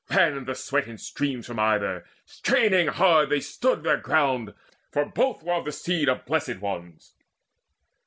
Ran the sweat in streams From either: straining hard they stood their ground, For both were of the seed of Blessed Ones.